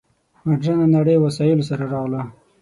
مډرنه نړۍ وسایلو سره راغله.